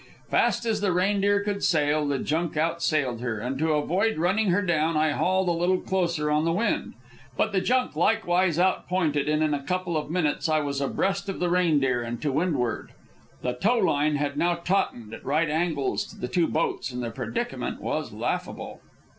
Fast as the Reindeer could sail, the junk outsailed her; and to avoid running her down I hauled a little closer on the wind. But the junk likewise outpointed, and in a couple of minutes I was abreast of the Reindeer and to windward. The tow line had now tautened, at right angles to the two boats and the predicament was laughable.